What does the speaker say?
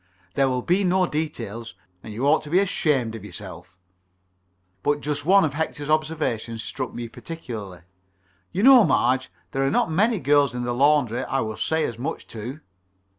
There will be no details. And you ought to be ashamed of yourself.) But just one of Hector's observations struck me particularly: "You know, Marge, there are not many girls in the laundry I would say as much to."